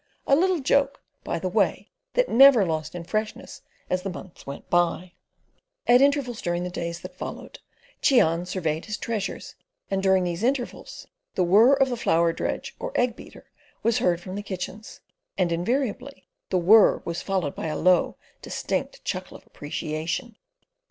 A little joke, by the way, that never lost in freshness as the months went by. At intervals during the days that followed Cheon surveyed his treasures, and during these intervals the whirr of the flour dredge or egg beater was heard from the kitchens, and invariably the whirr was followed by a low, distinct chuckle of appreciation.